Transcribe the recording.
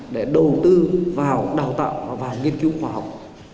để đầu tư vào đào tạo và nghiên cứu khoa học